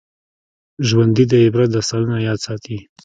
ژوندي د عبرت داستانونه یاد ساتي